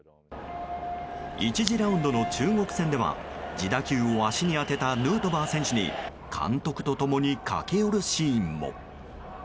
１次ラウンドの中国戦では自打球を足に当てたヌートバー選手に監督と共に駆け寄るシーンも。